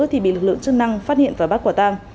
thì bị lực lượng chức năng phát hiện và bắt quả tang